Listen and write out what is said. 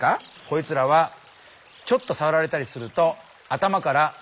こいつらはちょっとさわられたりすると頭からえっ？